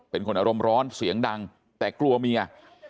เป็นคนอารมณ์ร้อนเสียงดังแต่กลัวเมีย